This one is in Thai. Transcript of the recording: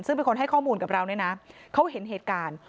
ซึ่งเป็นคนให้ข้อมูลกับเราเนี่ยนะเขาเห็นเหตุการณ์